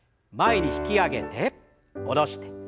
前に引き上げて下ろして。